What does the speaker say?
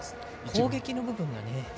攻撃の部分が。